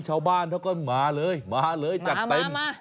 ชาวบ้านเขาก็มาเลยมาเลยจัดเต็ม